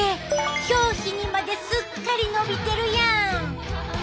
表皮にまですっかり伸びてるやん！